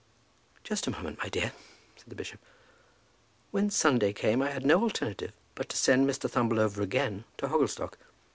"Just a moment, my dear," said the bishop. "When Sunday came, I had no alternative but to send Mr. Thumble over again to Hogglestock.